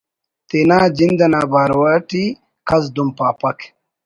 تینا جند انا بارو اٹی کس دن پاپک